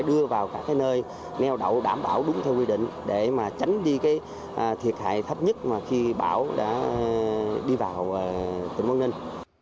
để nheo đậu đảm bảo đúng theo quy định để tránh đi thiệt hại thấp nhất khi bão đã đi vào tỉnh quảng ninh